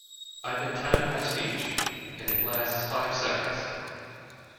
I've been timing my speech, and it lasts five seconds.